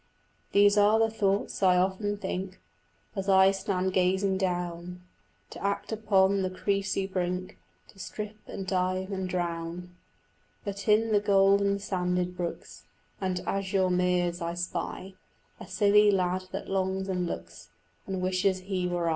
These are the thoughts I often think As I stand gazing down In act upon the cressy brink To strip and dive and drown; But in the golden sanded brooks And azure meres I spy A silly lad that longs and looks And wishes he were I.